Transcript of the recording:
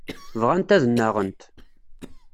Bɣant ad nnaɣent.